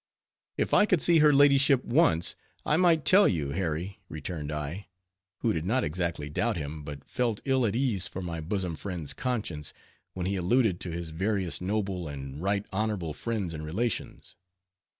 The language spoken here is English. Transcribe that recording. "If I could see her ladyship once, I might tell you, Harry," returned I, who did not exactly doubt him, but felt ill at ease for my bosom friend's conscience, when he alluded to his various noble and right honorable friends and relations.